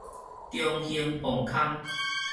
中興磅空